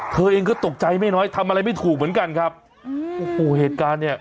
เธอเองก็ตกใจไม่น้อยทำอะไรไม่ถูกเหมือนกันครับโอ้โหเหตุการณ์เนี่ย